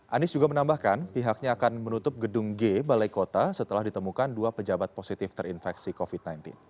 anies juga menambahkan pihaknya akan menutup gedung g balai kota setelah ditemukan dua pejabat positif terinfeksi covid sembilan belas